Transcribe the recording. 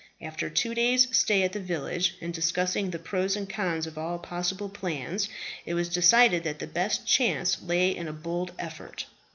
After two days' stay at the village, and discussing the pros and cons of all possible plans, it was decided that the best chance lay in a bold effort.